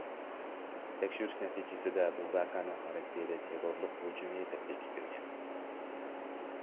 تەكشۈرۈش نەتىجىسىدە، ۋەقەنىڭ خاراكتېرى تېررورلۇق ھۇجۇمى، دەپ بېكىتىلگەن.